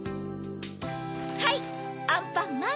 はいアンパンマン。